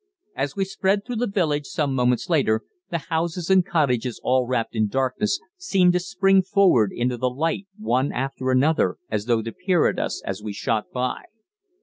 As we sped through the village some moments later the houses and cottages all wrapped in darkness seemed to spring forward into the light one after another as though to peer at us as we shot by.